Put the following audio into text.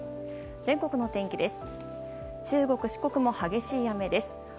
全国の天気です。